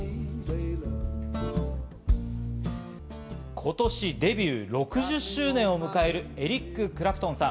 今年デビュー６０周年を迎えるエリック・クラプトンさん。